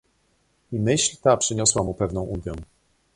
"I myśl ta przyniosła, mu pewną ulgę."